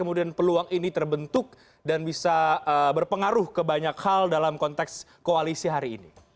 kemudian peluang ini terbentuk dan bisa berpengaruh ke banyak hal dalam konteks koalisi hari ini